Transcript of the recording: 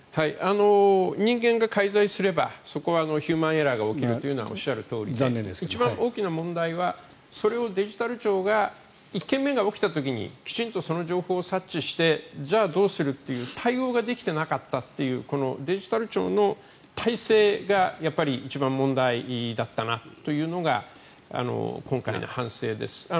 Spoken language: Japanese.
人間が介在すればそこはヒューマンエラーが起きるのはおっしゃるとおりで一番大きな問題は、それをデジタル庁が１件目が起きた時にきちんとその情報を察知してじゃあどうするっていう対応ができていなかったというこのデジタル庁の体制が一番問題だったなというのが今回の反省です。